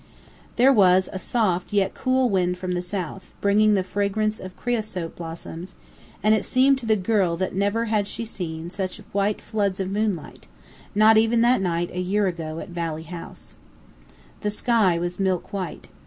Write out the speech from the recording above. There was a soft yet cool wind from the south, bringing the fragrance of creosote blossoms, and it seemed to the girl that never had she seen such white floods of moonlight, not even that night a year ago at Valley House. Even the sky was milk white.